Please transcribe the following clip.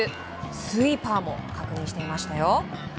スイーパーも確認していました。